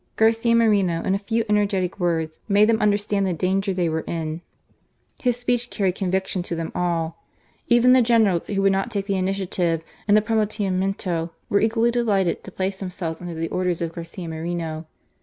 Garcia Moreno, in a few energetic words, made them understand the danger they were in. His speech carried conviction to them all. Even the generals who would not take the initiative in the pronunciamento were equally delighted to place themselves under the orders of Garcia Moreno.